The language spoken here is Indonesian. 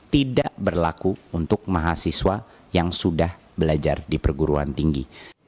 tidak berlaku untuk mahasiswa yang sudah belajar di perguruan tinggi